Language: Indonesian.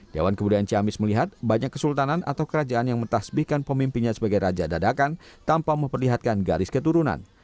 dewan kebudayaan ciamis melihat banyak kesultanan atau kerajaan yang metasbihkan pemimpinnya sebagai raja dadakan tanpa memperlihatkan garis keturunan